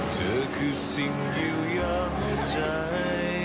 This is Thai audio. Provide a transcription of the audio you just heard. เธอคือสิ่งอยู่อยากใจ